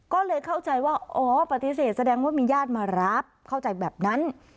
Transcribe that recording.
ก็เลยเข้าใจว่าอ๋อปฏิเสธแสดงว่ามีญาติมารับเข้าใจแบบนั้น